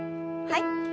はい。